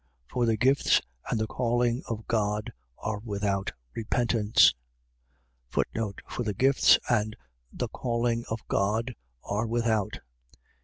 11:29. For the gifts and the calling of God are without repentance. For the gifts and the calling of God are without.